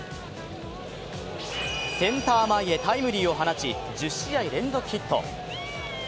センター前へタイムリーを放ち１０試合連続ヒット。